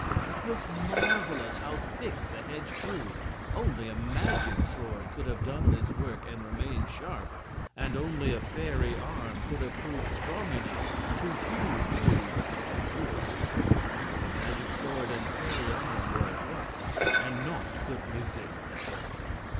It was marvelous how thick the hedge proved. Only a magic sword could have done this work and remained sharp, and only a fairy arm could have proved strong enough to hew through the tough wood. But the magic sword and fairy arm were at work, and naught could resist them.